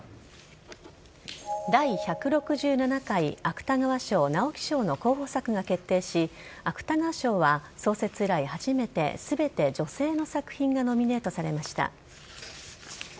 第１６７回芥川賞・直木賞の候補作が決定し芥川賞は創設以来初めて全て女性の作品がノミネートされました。